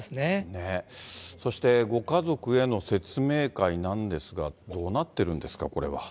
そして、ご家族への説明会なんですが、どうなってるんですか？